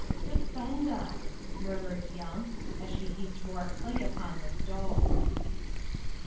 "Defend us!" murmured Yump, as she heaped more clay upon the stove.